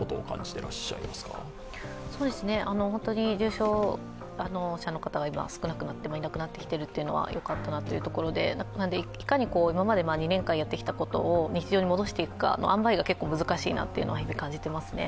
本当に重症者の方が少なくなって、いなくなってきているのはよかったなというところで、いかに今まで２年間やってきたことを日常に戻していくかっていうあんばいが結構難しいなというのは日々感じていますね。